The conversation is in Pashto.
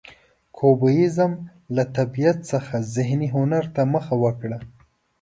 کوبیزم له طبیعت څخه ذهني هنر ته مخه وکړه.